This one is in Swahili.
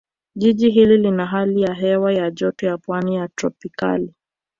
Jiji hili lina hali ya hewa ya Joto ya Pwani ya Tropicali